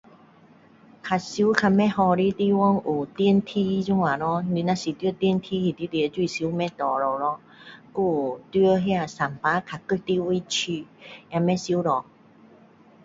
最常最不好的地方有电梯这样咯你若是在电梯里面就是收不到了咯还有在那山芭较角落的地方也不会收到